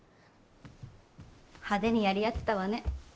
派手にやり合ってたわね。